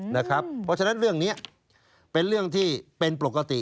เพราะฉะนั้นเรื่องนี้เป็นเรื่องที่เป็นปกติ